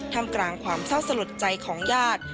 ทำกลางความเศร้าสลดใจของญาติ